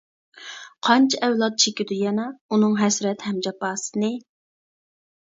قانچە ئەۋلاد چېكىدۇ يەنە، ئۇنىڭ ھەسرەت ھەم جاپاسىنى.